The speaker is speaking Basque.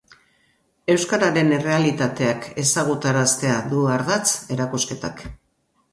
Euskararen errealitateak ezagutaraztea du ardatz erakusketak.